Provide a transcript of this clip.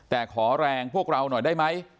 แต่ขอแรงพวกเราหน่อยได้ไหม